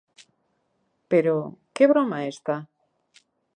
Pero, ¿que broma é esta?